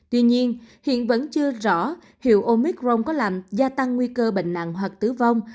tuy nhiên hiện vẫn chưa rõ hiệu omicron có làm gia tăng nguy cơ bệnh nặng hoặc tử vong